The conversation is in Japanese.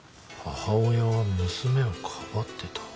母親は娘をかばってた。